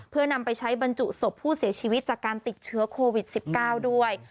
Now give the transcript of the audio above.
เพื่อนำไปใช้บรรจุศพผู้เสียชีวิตจากการติดเชื้อโควิด๑๙ด้วย